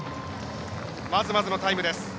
まずまずのタイムです。